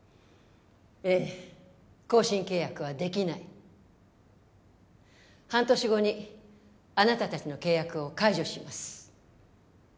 ええ更新契約はできない半年後にあなたたちの契約を解除します